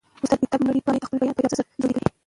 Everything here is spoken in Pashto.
استاد د کتاب مړې پاڼې د خپل بیان په جادو سره ژوندۍ کوي.